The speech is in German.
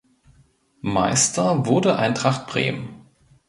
Meister wurde Eintracht Bremen.